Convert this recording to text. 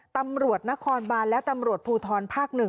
ตำรวจนครบานและตำรวจภูทรภาค๑